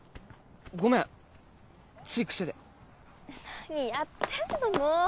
ごめんついクセで何やってんのもう！